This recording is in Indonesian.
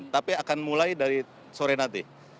tapi akan mulai dari sore nanti